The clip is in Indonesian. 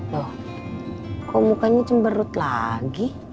loh kok mukanya cemberut lagi